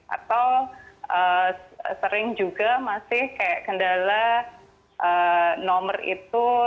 atau sering juga masih kayak kendala nomor itu